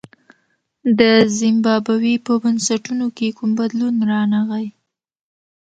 د زیمبابوې په بنسټونو کې کوم بدلون رانغی.